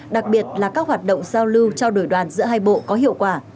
đặc biệt là các hoạt động giao lưu trao đổi đoàn giữa hai bộ có hiệu quả